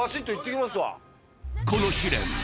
この試練